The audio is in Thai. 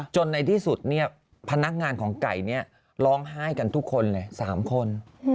ในที่สุดเนี่ยพนักงานของไก่ร้องไห้กันทุกคนเลย๓คน